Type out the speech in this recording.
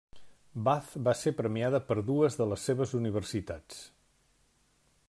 Bath va ser premiada per dues de les seves universitats.